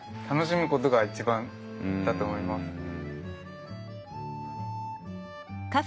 楽しむことが一番だと思います。